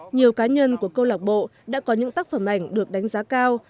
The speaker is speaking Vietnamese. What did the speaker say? nhiều cá nhân của câu lạc bộ đã có những tác phẩm ảnh được đánh giá cao